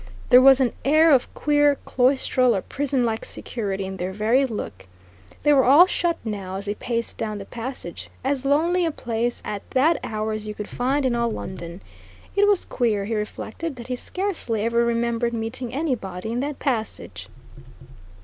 There was an air of queer, cloistral or prisonlike security in their very look. They were all shut now, as he paced down the passage, as lonely a place at that hour as you could find in all London. It was queer, he reflected, that he scarcely ever remembered meeting anybody in that passage.